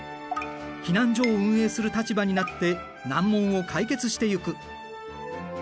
避難所を運営する立場になって難問を解決していく。